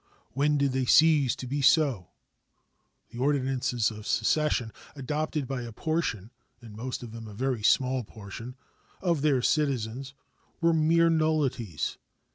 When did they cease to be so? The "ordinances of secession" adopted by a portion (in most of them a very small portion) of their citizens were mere nullities.